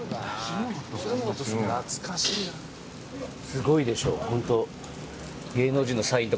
すごいでしょ本当。